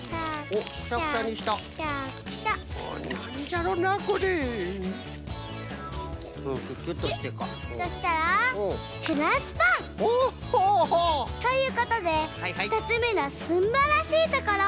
おほうほう！ということでふたつめのすんばらしいところ！